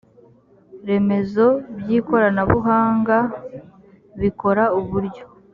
remezo by ikoranabuhanga bikora uburyo